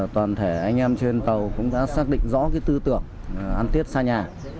toàn thể anh em trên tàu cũng đã xác định rõ tư tưởng ăn tiết xa nhà